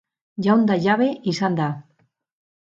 Jaun eta jabe izan da.